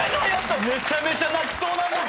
めちゃめちゃ泣きそうですけど。